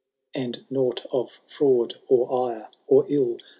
And nought of fraud, or ire, or ill.